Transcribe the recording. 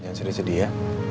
jangan sedih sedih ya